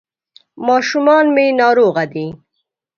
ماشومان مي ناروغه دي ..